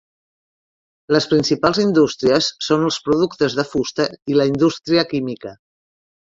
Les principals indústries son els productes de fusta i la indústria química.